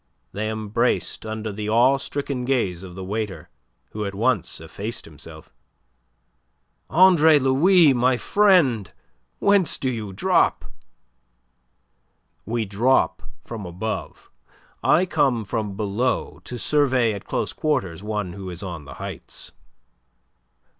They embraced under the awe stricken gaze of the waiter, who at once effaced himself. "Andre Louis, my friend! Whence do you drop?" "We drop from above. I come from below to survey at close quarters one who is on the heights."